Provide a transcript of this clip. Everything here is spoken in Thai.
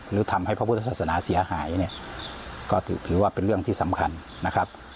หรือทำให้พระพุทธศาสนาเสียหายเนี่ยก็ถือว่าเป็นเรื่องที่สำคัญนะครับ